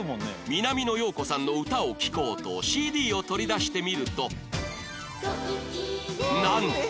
南野陽子さんの歌を聴こうと ＣＤ を取り出してみるとなんと